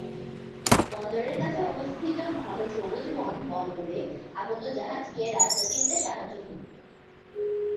বন্দরের কাছে অবস্থিত ঘন সবুজ বন বন্দরে আগত জাহাজকে রাস্তা চিনতে সাহায্য করত।